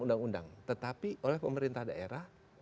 undang undang tetapi oleh pemerintah daerah